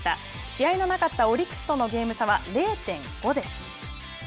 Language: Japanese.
試合のなかったオリックスとのゲーム差は０．５です。